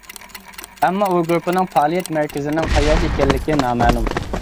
ئەمما ئۇ گۇرۇپپىنىڭ پائالىيەت مەركىزىنىڭ قەيەردە ئىكەنلىكى نامەلۇم.